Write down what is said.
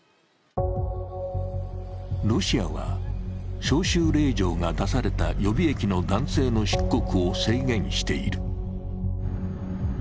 ロシアは招集令状が出された予備役の男性の出国を制限している。